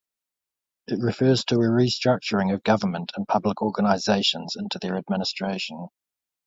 It refers to a restructuring of government and public organizations into their administration.